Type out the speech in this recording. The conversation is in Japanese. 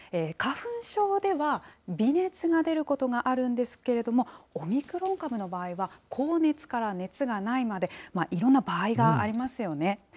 花粉症では、微熱が出ることがあるんですけれども、オミクロン株の場合は、高熱から熱がないまでいろんな場合がありますよね。